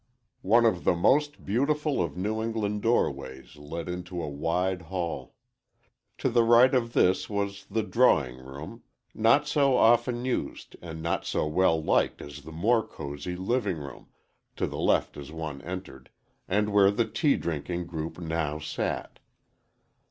One of the most beautiful of New England doorways led into a wide hall. To the right of this was the drawing room, not so often used and not so well liked as the more cozy living room, to the left as one entered, and where the tea drinking group now sat.